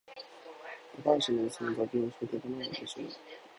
高橋の椅子に画びょうを仕掛けたのは私だ